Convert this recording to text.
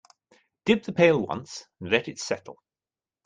Dip the pail once and let it settle.